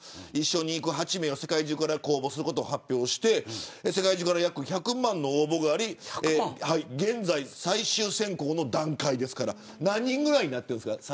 一緒に行く８名を世界中から公募することを発表をして世界中から約１００万の応募があり現在、最終選考の段階ですから何人ぐらいになってるんですか。